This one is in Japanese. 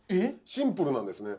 シンプルなんですね